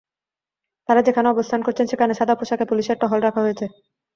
তাঁরা যেখানে অবস্থান করছেন সেখানে সাদা পোশাকে পুলিশের টহল রাখা হয়েছে।